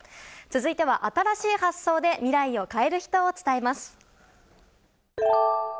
続いては、新しい発想で未来を変える人を伝えます。